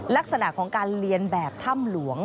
ลักษณะของการเรียนแบบถ้ำหลวง